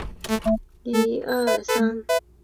他们也是加里曼丹达雅克人的分支。